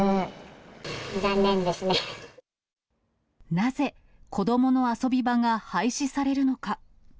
なぜ、子どもの遊び場が廃止されるのか。